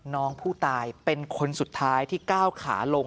น้องผู้ตายเป็นคนสุดท้ายที่ก้าวขาลง